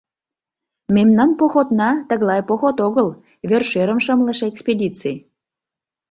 — Мемнан походна тыглай поход огыл, вершӧрым шымлыше экспедиций...